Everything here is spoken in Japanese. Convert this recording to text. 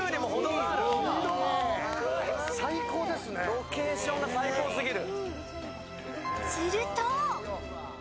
ロケーションが最高すぎる。